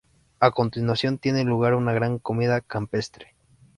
A continuación tiene lugar una gran comida campestre.